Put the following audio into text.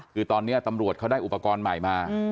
คือตอนนี้ตำรวจเขาได้อุปกรณ์ใหม่มา